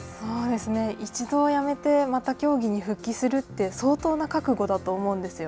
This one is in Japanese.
一度やめてまた競技に復帰するって相当な覚悟だと思うんですよ。